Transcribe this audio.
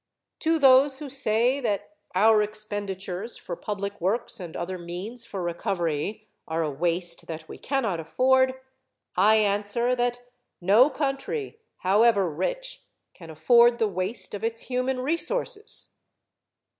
To those who say that our expenditures for public works and other means for recovery are a waste that we cannot afford, I answer that no country, however rich, can afford the waste of its human resources.